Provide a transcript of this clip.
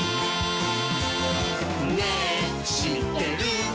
「ねぇしってる？」